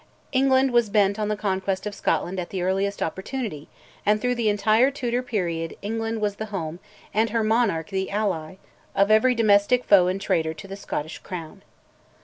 England was bent on the conquest of Scotland at the earliest opportunity, and through the entire Tudor period England was the home and her monarch the ally of every domestic foe and traitor to the Scottish Crown.